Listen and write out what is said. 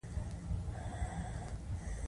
هغه د شعر په باب وایی چې خپله خبره کوم